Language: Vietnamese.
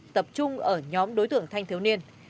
tập trung ở nhóm đối tượng thanh thiếu niên